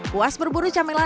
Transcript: puas berburu camel lantai